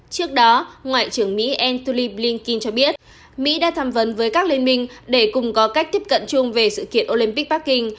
trước đó ngoại trưởng mỹ antoly blinken cho biết mỹ đã tham vấn với các liên minh để cùng có cách tiếp cận chung về sự kiện olympic bắc kinh